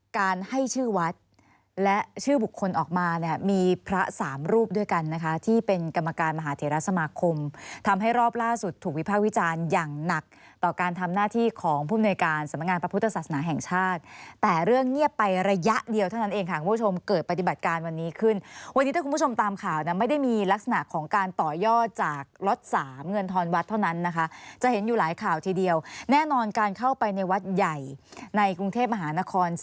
การให้ชื่อวัดและชื่อบุคคลออกมามีพระสามรูปด้วยกันนะคะที่เป็นกรรมการมหาเถียรสมาคมทำให้รอบล่าสุดถูกวิพาควิจารณ์อย่างหนักต่อการทำหน้าที่ของภูมิหน่วยการสำนักงานประพุทธศาสนาแห่งชาติแต่เรื่องเงียบไประยะเดียวเท่านั้นเองค่ะคุณผู้ชมเกิดปฏิบัติการณ์วันนี้ขึ้นวันนี้ถ้าคุณผู้ชมตามข